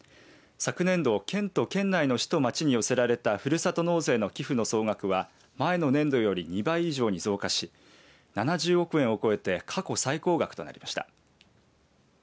昨年度、県と県内の市と町に寄せられたふるさと納税の寄付の総額は前の年度より２倍以上に増加し７０億円を超えて過去最高額となりました。